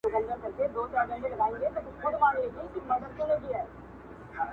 o درواري دي سم شاعر سه قلم واخله,